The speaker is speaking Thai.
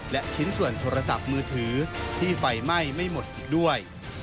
และชิ้นส่วนโทรศัพท์มือถือที่ไฟไหม้ไม่หมดอีกด้วย